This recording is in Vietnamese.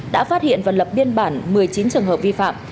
đã phát hiện và lập biên bản một mươi chín trường hợp vi phạm